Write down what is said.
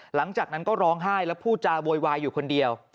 หลังจากนั้นก็ร้องไห้แล้วพูดจาโวยวายอยู่คนเดียว